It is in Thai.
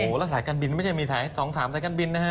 โอ้โหแล้วสายการบินไม่ใช่มีสาย๒๓สายการบินนะฮะ